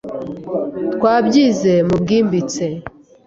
Twabyize mubwimbitse.